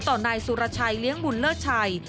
ต่อนายสุรชัยเลี้ยงบุญเลอร์ชัย